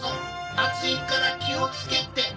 熱いから気をつけて。